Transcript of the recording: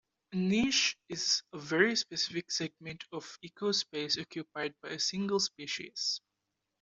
A niche is a very specific segment of ecospace occupied by a single species.